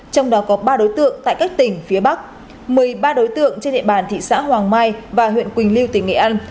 trong đó có ba đối tượng tại các tỉnh phía bắc một mươi ba đối tượng trên địa bàn thị xã hoàng mai và huyện quỳnh lưu tỉnh nghệ an